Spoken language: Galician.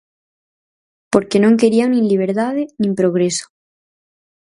"Porque non querían nin liberdade, nin progreso".